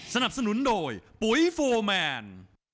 สนับสนุนโดยปุ๋ยโฟร์แมน